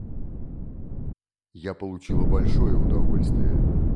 Я получила большое удовольствие.